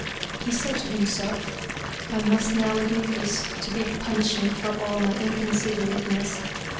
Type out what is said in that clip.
He said to himself, "I must now admit this to be a punishment for all my inconsiderateness.